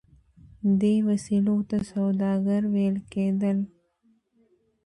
دې وسیلو ته سوداګر ویل کیدل.